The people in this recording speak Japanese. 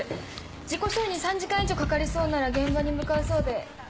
事故処理に３時間以上かかりそうなら現場に向かうそうで。